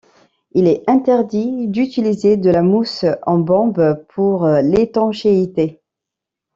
Il est interdit d'utiliser de la mousse en bombe pour l'étanchéité.